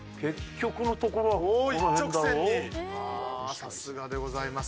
さすがでございます。